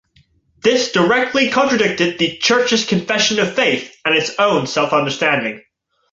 This directly contradicted the Church's Confession of Faith and its own self-understanding.